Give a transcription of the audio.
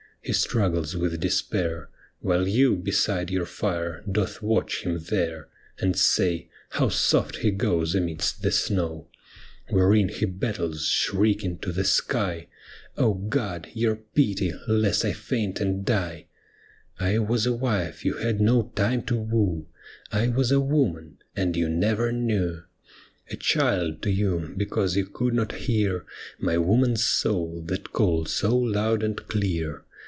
He struggles with despair. While you beside your fire doth watch him there, And say —' How soft he goes amidst the snow !' Wherein he battles, shrieking to the sky, ' O God, your pity, lest I faint and die !' I was a wife you had no time to woo, I was a woman — and you never knew. A child to you, because you could not hear My woman's soul that called so loud and clear.